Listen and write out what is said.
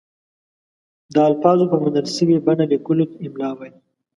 د الفاظو په منل شوې بڼه لیکلو ته املاء وايي.